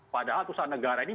padahal perusahaan negara ini